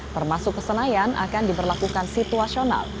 termasuk kesenayan akan diberlakukan situasional